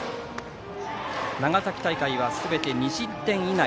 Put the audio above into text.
長崎大会はすべて２失点以内。